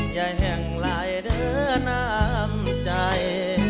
อย่าแห่งไรเด้อน้ำใจ